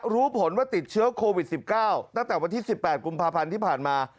รู้ผลว่าติดเชื้อโควิด๑๙ตั้งแต่วันที่๑๘กุมภาพันธ์ที่ผ่านมา